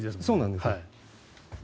そうなんです。